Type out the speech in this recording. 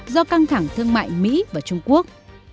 do căng thẳng thương mại mỹ và trung quốc